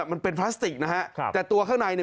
มันเป็นพลาสติกนะฮะแต่ตัวข้างใน